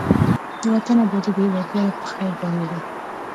د وطن آبادي د هېوادوالو په خير باندې ده.